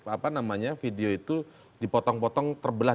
apa namanya video itu dipotong potong terbelah